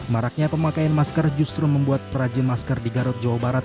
maraknya pemakaian masker justru membuat perajin masker di garut jawa barat